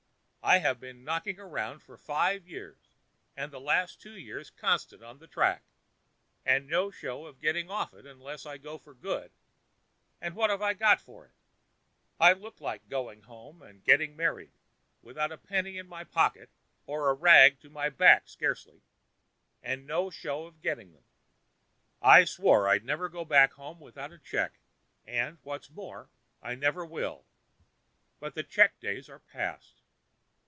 I've been knocking round for five years, and the last two years constant on the track, and no show of getting off it unless I go for good, and what have I got for it? I look like going home and getting married, without a penny in my pocket or a rag to my back scarcely, and no show of getting them. I swore I'd never go back home without a cheque, and, what's more, I never will; but the cheque days are past.